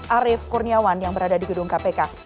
arief kurniawan yang berada di gedung kpk